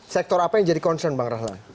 sektor apa yang jadi concern bang rahlan